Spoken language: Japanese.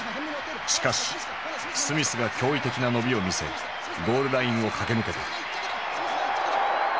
しかしスミスが驚異的な伸びを見せゴールラインを駆け抜けた。